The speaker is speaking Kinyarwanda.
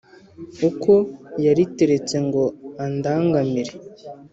uko yariteretse ngo andangamire,